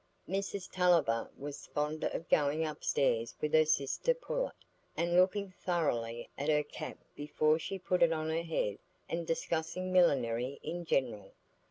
Mrs Tulliver was fond of going upstairs with her sister Pullet, and looking thoroughly at her cap before she put it on her head, and discussing millinery in general.